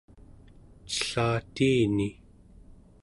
cellatiini